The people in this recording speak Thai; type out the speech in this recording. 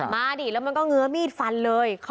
ดิแล้วมันก็เงื้อมีดฟันเลย